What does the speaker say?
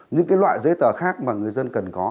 những cái loại giấy tờ khác mà người dân cần có